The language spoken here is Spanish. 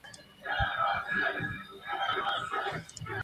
Nace en el barrio marginal El Condado, en Santa Clara, centro de Cuba.